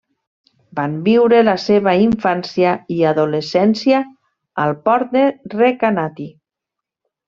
Van viure la seva infància i adolescència al port de Recanati.